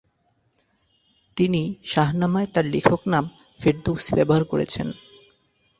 তিনি শাহনামায় তার লেখক নাম ফেরদৌসী ব্যবহার করেছেন।